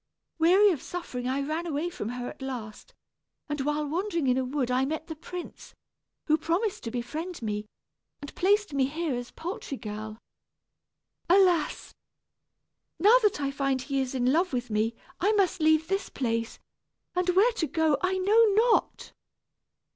Weary of suffering I ran away from her at last; and while wandering in a wood I met the prince, who promised to befriend me, and placed me here as poultry girl. Alas! now that I find he is in love with me, I must leave this place, and where to go I know not."